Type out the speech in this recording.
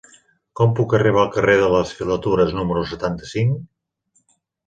Com puc arribar al carrer de les Filatures número setanta-cinc?